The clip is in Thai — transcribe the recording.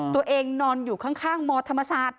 นอนอยู่ข้างมธรรมศาสตร์